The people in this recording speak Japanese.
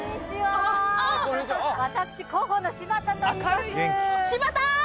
私広報の柴田といいます。